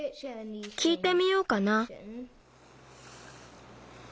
きいてみようかな。